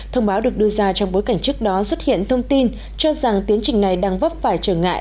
thông báo được đưa ra trong bối cảnh trước đó xuất hiện thông tin cho rằng tiến trình này đang vấp phải trở ngại